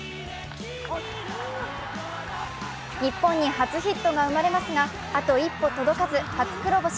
日本に初ヒットが生まれますがあと一歩届かず初黒星。